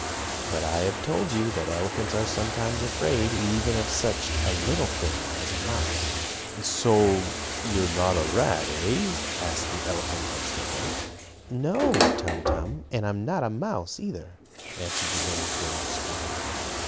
But I have told you that elephants are sometimes afraid of even such a little thing as a mouse. "So you are not a rat, eh?" asked the elephant of Slicko. "No, Tum Tum, and I'm not a mouse, either," answered the little girl squirrel.